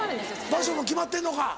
場所も決まってんのか。